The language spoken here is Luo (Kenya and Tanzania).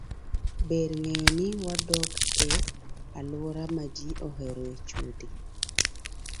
Ber ng'eyo ni wadak e alwora ma ji oheroe chode.